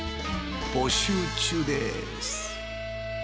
募集中です。